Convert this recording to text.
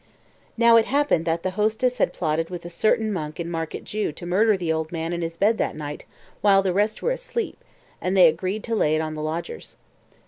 Now it happened that the hostess had plotted with a certain monk in Market Jew to murder the old man in his bed that night while the rest were asleep, and they agreed to lay it on the lodgers.